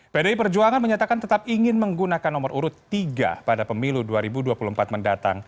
pdi perjuangan menyatakan tetap ingin menggunakan nomor urut tiga pada pemilu dua ribu dua puluh empat mendatang